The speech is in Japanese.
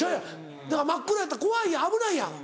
だから真っ暗やったら怖いやん危ないやん。